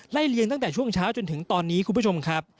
เลียงตั้งแต่ช่วงเช้าจนถึงตอนนี้คุณผู้ชมครับ